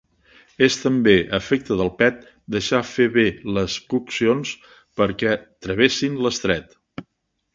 És també efecte del pet deixar fer bé les coccions perquè travessin l'estret.